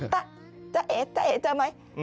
ต๊ะจ๊ะเอจ๊ะเอเจอมั้ย